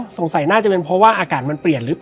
และวันนี้แขกรับเชิญที่จะมาเชิญที่เรา